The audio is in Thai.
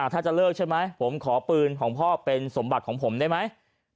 ถ้าจะเลิกใช่ไหมผมขอปืนของพ่อเป็นสมบัติของผมได้ไหม